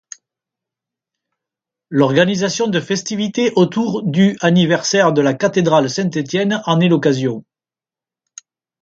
L'organisation de festivités autour du anniversaire de la cathédrale Saint-Étienne en est l'occasion.